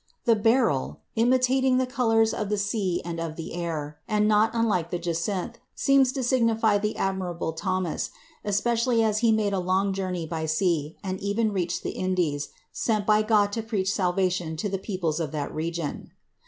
The beryl, imitating the colors of the sea and of the air, and not unlike the jacinth, seems to suggest the admirable Thomas, especially as he made a long journey by sea, and even reached the Indies, sent by God to preach salvation to the peoples of that region.